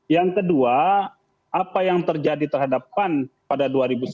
yang kedua apa yang terjadi terhadap pan pada dua ribu sembilan belas